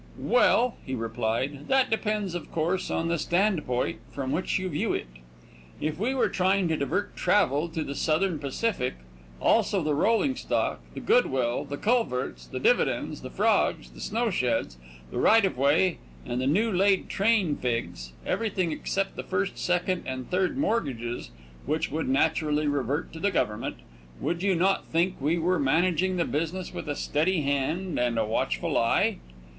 "Well," he replied, "that depends, of course, on the standpoint from which you view it. If we were trying to divert travel to the Southern Pacific, also the rolling stock, the good will, the culverts, the dividends, the frogs, the snowsheds, the right of way and the new laid train figs, everything except the first, second and third mortgages, which would naturally revert to the government, would you not think we were managing the business with a steady hand and a watchful eye?"